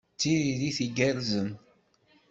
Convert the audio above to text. D tiririt igerrzen.